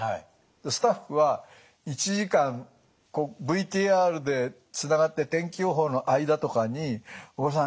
スタッフは１時間ＶＴＲでつながって天気予報の間とかに「小倉さん